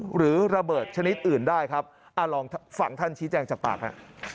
หรือระเบิดชนิดอื่นได้ครับลองฟังท่านชี้แจงจากปากฮะ